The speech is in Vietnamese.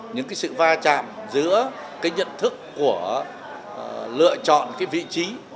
những cái sự va chạm giữa cái nhận thức của lựa chọn cái vị trí